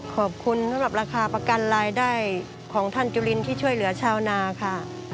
ขอบคุณสำหรับราคาประกันรายได้ของท่านจุลินที่ช่วยเหลือชาวนาค่ะ